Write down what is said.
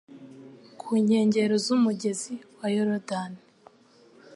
ku nkengero z’umugezi wa Yorodani.